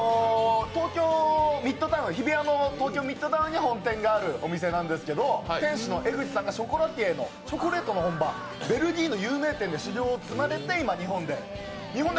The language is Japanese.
日比谷の東京ミッドタウンに本店があるお店なんですけど店主の江口さんがショコラティエの、チョコレートの本場・ベルギーの有名店で修業を積まれて今、日本で。